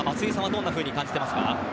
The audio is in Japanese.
どんなところに感じてますか。